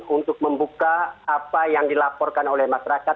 untuk membuka apa yang dilaporkan oleh masyarakat